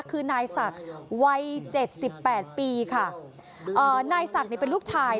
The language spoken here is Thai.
คือนายสักวัย๗๘ปีค่ะนายสักเป็นลูกชาย